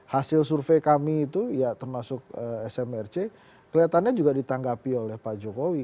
hasil survei kami itu ya termasuk smrc kelihatannya juga ditanggapi oleh pak jokowi